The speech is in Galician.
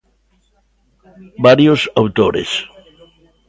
Varios autores.